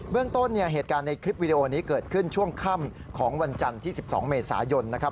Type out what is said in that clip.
เรื่องต้นเนี่ยเหตุการณ์ในคลิปวิดีโอนี้เกิดขึ้นช่วงค่ำของวันจันทร์ที่๑๒เมษายนนะครับ